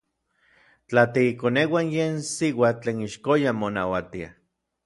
Tla tiikoneuan yen siuatl tlen ixkoyan monauatia.